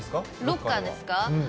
ロッカーですか？